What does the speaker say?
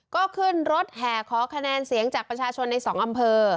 ก็ขึ้นรถแห่ขอคะแนนเสียงจากประชาชนในสองอำเภอ